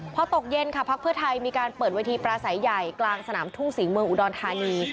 พอตกเย็นค่ะพักเพื่อไทยมีการเปิดเวทีปราศัยใหญ่กลางสนามทุ่งศรีเมืองอุดรธานี